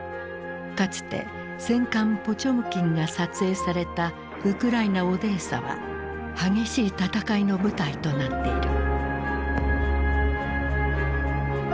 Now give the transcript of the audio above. かつて「戦艦ポチョムキン」が撮影されたウクライナオデーサは激しい戦いの舞台となっている。